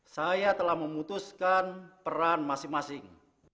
saya telah memutuskan peran masing masing